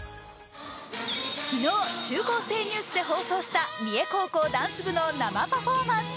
昨日、中高生ニュースで放送した三重高校ダンスチームの生パフォーマンス。